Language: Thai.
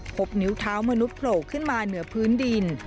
พบนิ้วเท้ามนุษย์โผล่ขึ้นมาเหนือพื้นดิน